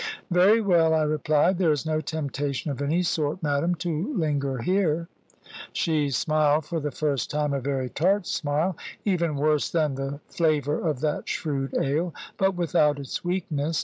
"Very well," I replied; "there is no temptation of any sort, madam, to linger here." She smiled, for the first time, a very tart smile, even worse than the flavour of that shrewd ale, but without its weakness.